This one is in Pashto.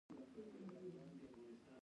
اسلامي تعلیماتو معین هم شامل وي.